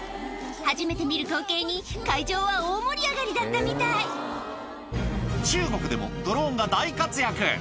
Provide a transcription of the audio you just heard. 初めて見る光景に会場は大盛り上がりだったみたい中国でもドローンが大活躍